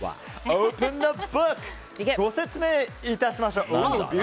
ご説明いたしましょう。